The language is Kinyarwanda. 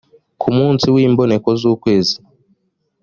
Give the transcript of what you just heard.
ku munsi w imboneko z ukwezi